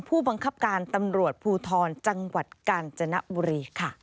ผู้บังคับการตำรวจภูทรจังหวัดกาญจนบุรีค่ะ